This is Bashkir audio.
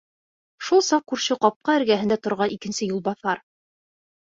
Шул саҡ күрше ҡапҡа эргәһендә торған икенсе юлбаҫар: